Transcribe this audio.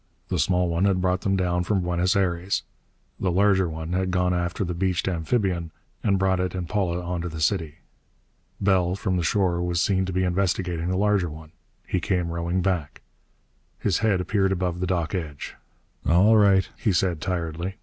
The smaller one had brought them down from Buenos Aires. The larger one had gone after the beached amphibian and brought it and Paula on to the city. Bell, from the shore, was seen to be investigating the larger one. He came rowing back. His head appeared above the dock edge. "All right," he said tiredly.